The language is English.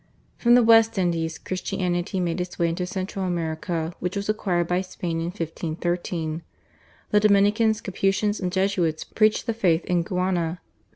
From the West Indies Christianity made its way into Central America which was acquired by Spain in 1513. The Dominicans, Capuchins, and Jesuits preached the faith in Guiana.